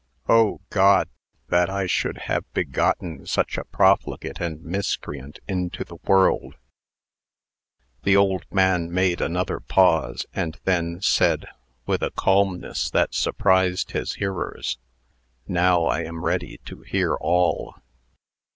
O God! that I should have begotten such a profligate and miscreant into the world!" The old man made another pause, and then said, with a calmness that surprised his hearers. "Now I am ready to hear all."